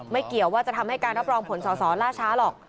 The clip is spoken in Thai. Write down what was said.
เกี่ยวว่าจะทำให้การรับรองผลสอสอล่าช้าหรอก